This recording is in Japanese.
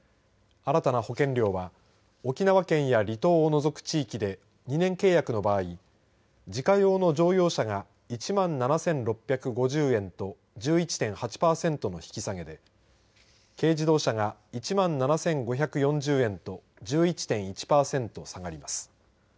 新たな保険料は沖縄県や離島を除く地域で２年契約の場合自家用の乗用車が１万７６５０円と１１．８パーセントの引き下げで軽自動車が１万７５４０円と１１．１パーセント下がります。